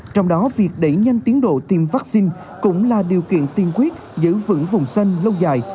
trong đó việc đẩy nhanh tiến độ tiêm vaccine cũng là điều kiện tiên quyết giữ vững vùng xanh lâu dài